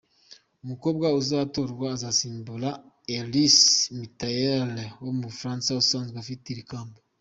Umukobwa uzatorwa azasimbura Iris Mittanaere wo mu Bufaransa usanzwe ufite iri kamba.